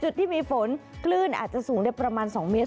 จุดที่มีฝนคลื่นอาจจะสูงได้ประมาณ๒เมตร